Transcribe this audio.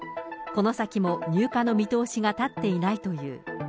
この先も入荷の見通しが立っていないという。